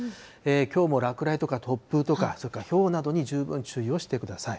きょうも落雷とか突風とか、それからひょうなどに十分注意をしてください。